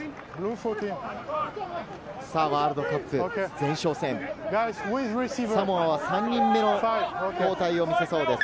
ワールドカップ前哨戦、サモアは３人目の交代を見せそうです。